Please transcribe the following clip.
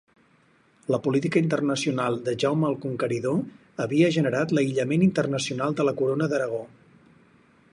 La política internacional de Jaume el Conqueridor havia generat l'aïllament internacional de la corona d'Aragó.